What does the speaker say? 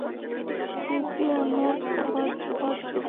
সে কি আমার জামাতা হওয়ার যোগ্য?